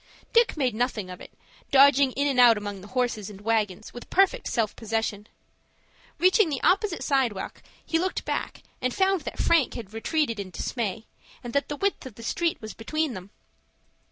Dick made nothing of it, dodging in and out among the horses and wagons with perfect self possession. Reaching the opposite sidewalk, he looked back, and found that Frank had retreated in dismay, and that the width of the street was between them.